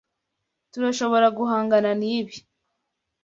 Turashobora guhangana nibi.